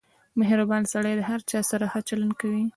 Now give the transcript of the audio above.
• مهربان سړی د هر چا سره ښه چلند کوي.